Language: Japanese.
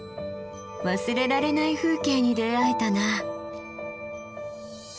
忘れられない風景に出会えたな。